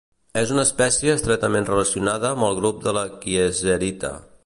És una espècie estretament relacionada amb el grup de la kieserita.